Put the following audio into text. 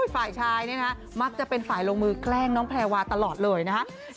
ฝ่ายชายเนี่ยนะมักจะเป็นฝ่ายลงมือแกล้งน้องแพรวาตลอดเลยนะฮะ